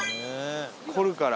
凝るから。